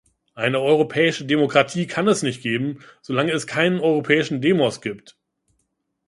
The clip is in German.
Eine europäische Demokratie kann es nicht geben, solange es keinen europäischen Demos gibt.